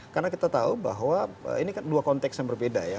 karena kita tahu bahwa ini kan dua konteks yang berbeda ya